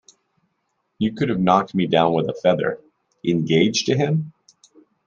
You could have knocked me down with a feather. "Engaged to him?"